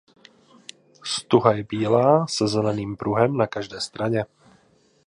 Stuha je bílá se zeleným pruhem na každé straně.